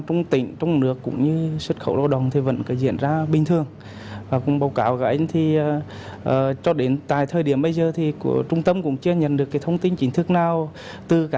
chuyên hoạt động ở lĩnh vực xuất khẩu lao động trên địa bàn tỉnh quảng bình để làm rõ thực thư về thông tin đồn này